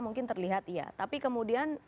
mungkin terlihat iya tapi kemudian